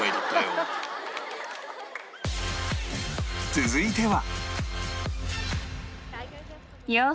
続いては